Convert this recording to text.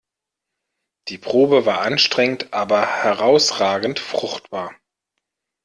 Die Probe war anstrengend aber herausragend fruchtbar.